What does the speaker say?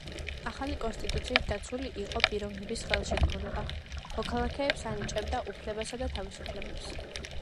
ახალი კონსტიტუციით დაცული იყო პიროვნების ხელშეუხებლობა, მოქალაქეებს ანიჭებდა უფლებებსა და თავისუფლებებს.